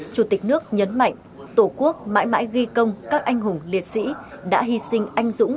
chủ tịch nước nhấn mạnh tổ quốc mãi mãi ghi công các anh hùng liệt sĩ đã hy sinh anh dũng